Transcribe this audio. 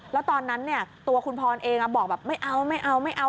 แล้วตอนนั้นตัวคุณพรเองบอกแบบไม่เอา